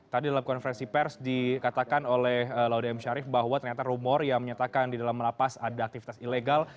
tadi dalam konferensi pers dikatakan oleh laude m syarif bahwa ternyata rumor yang menyatakan di dalam lapas ada aktivitas ilegal